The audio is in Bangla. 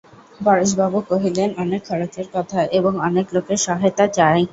পরেশবাবু কহিলেন, অনেক খরচের কথা এবং অনেক লোকের সহায়তা চাই।